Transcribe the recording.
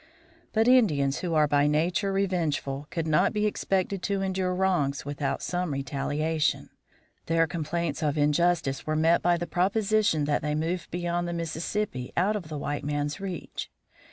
But Indians, who are by nature revengeful, could not be expected to endure wrongs without some retaliation. Their complaints of injustice were met by the proposition that they move beyond the Mississippi, out of the white man's reach.